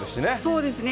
そうですね。